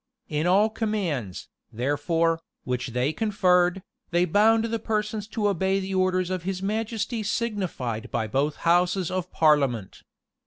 In all commands, therefore, which they conferred, they bound the persons to obey the orders of his majesty signified by both houses of parliament.